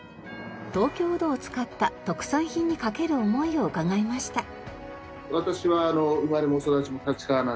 東京うどを使った特産品にかける思いを伺いました。